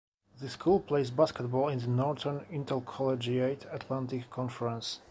The school plays basketball in the Northern Intercollegiate Athletic Conference.